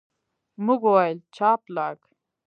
موږ وویل، جاپلاک.